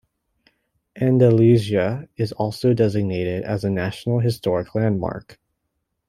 Andalusia is also designated a National Historic Landmark.